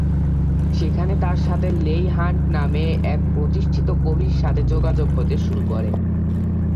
সেখানে তার সাথে লেই হান্ট নামে এক প্রতিষ্ঠিত কবির সাথে যোগাযোগ হতে শুরু করে।